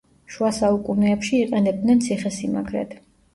შუა საუკუნეებში იყენებდნენ ციხე-სიმაგრედ.